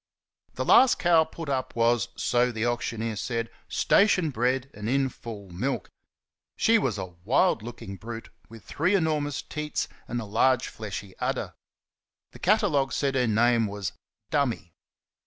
The last cow put up was, so the auctioneer said, station bred and in full milk. She was a wild looking brute, with three enormous teats and a large, fleshy udder. The catalogue said her name was "Dummy."